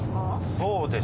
そうですか。